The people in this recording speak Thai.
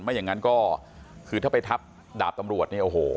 ไม่อย่างนั้นก็คือถ้าไปทับดาบตำรวจเนี่ยโอ้โห